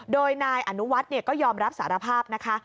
โดยนายอนุวัฒน์ก็ยอมรับสารภาพนะคะ